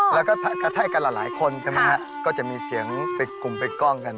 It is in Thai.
แล้วก็กระแทดกันหลายคนนะครับก็จะมีเสียงกลุ่มไปกล้องกัน